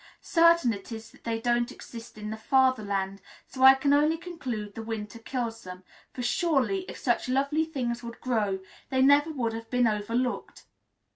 Certain it is that they don't exist in the Fatherland, so I can only conclude the winter kills them, for surely, if such lovely things would grow, they never would have been overlooked.